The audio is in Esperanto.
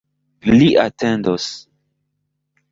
Li atendos.